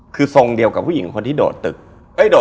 คือทรงเดียวกับผู้หญิงที่โดดสะพาน